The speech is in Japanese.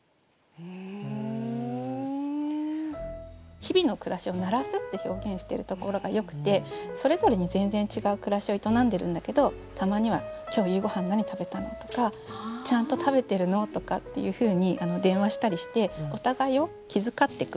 日々の暮らしを「鳴らす」って表現してるところがよくてそれぞれに全然違う暮らしを営んでるんだけどたまには「今日夕ごはん何食べたの？」とか「ちゃんと食べてるの？」とかっていうふうに電話したりしてお互いを気遣ってく。